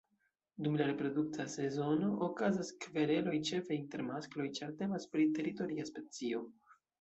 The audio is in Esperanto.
Dum la reprodukta sezono okazas kvereloj ĉefe inter maskloj, ĉar temas pri teritoria specio.